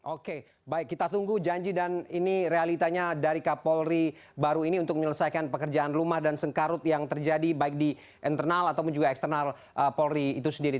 oke baik kita tunggu janji dan ini realitanya dari kapolri baru ini untuk menyelesaikan pekerjaan rumah dan sengkarut yang terjadi baik di internal ataupun juga eksternal polri itu sendiri